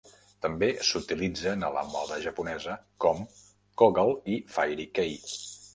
També s"utilitzen a la moda japonesa, com Kogal i Fairy Kei.